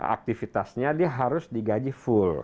aktivitasnya dia harus digaji full